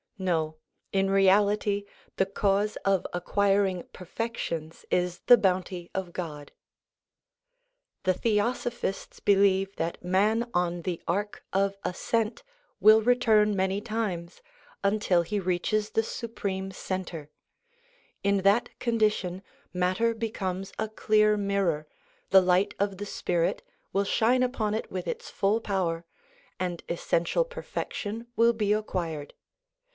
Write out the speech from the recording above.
No, in reality the cause of acquiring perfections is the bounty of God. The Theosophists believe that man on the arc of ascent 2 will return many times, until he reaches the supreme centre; in that condition matter becomes a clear mirror, the light of the spirit will shine upon it with its full power, and essential perfection will be acquired.